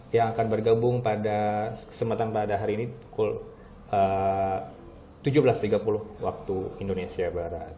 yang akan bergabung pada kesempatan pada hari ini pukul tujuh belas tiga puluh waktu indonesia barat